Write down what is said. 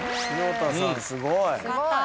すごい。